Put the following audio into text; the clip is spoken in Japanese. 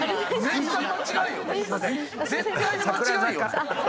絶対に間違いよ。